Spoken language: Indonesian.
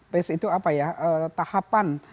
pace itu apa ya tahapan